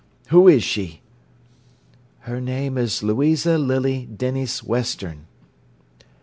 Who is she?" "Her name is Louisa Lily Denys Western."